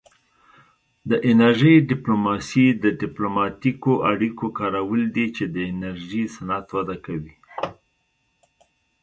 د انرژۍ ډیپلوماسي د ډیپلوماتیکو اړیکو کارول دي چې د انرژي صنعت وده کوي